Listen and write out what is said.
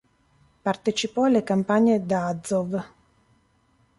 Partecipò alle campagne d'Azov.